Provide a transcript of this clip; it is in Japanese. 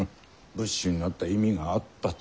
仏師になった意味があったと。